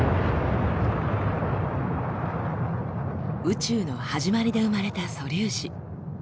宇宙の始まりで生まれた素粒子。